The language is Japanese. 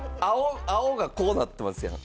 青がこうなってますやん？